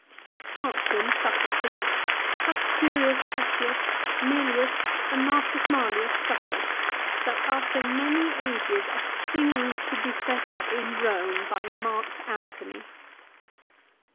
" Has Tarquin suffered for this ; have Spurius Cassius, Melius, and Marcus Marlius suffered, that after many ages a king n 2 244 LIFE OF CICERO. should be set up in Rome by Marc Antony